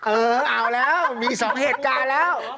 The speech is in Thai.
เออเอาแล้วมี๒เหตุการณ์แล้ว